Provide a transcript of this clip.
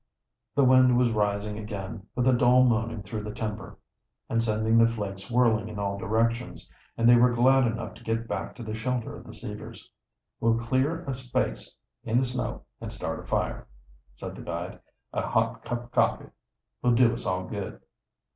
The wind was rising again, with a dull moaning through the timber, and sending the flakes whirling in all directions, and they were glad enough to get back to the shelter of the cedars. "We'll clear a space in the snow and start a fire," said the guide. "A hot cup o' coffee will do us all good."